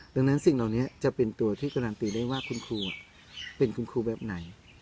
ดังนั้นสิ่งเหล่านี้จะเป็นตัวที่การันตีได้ว่าคุณครูเป็นคุณครูแบบไหน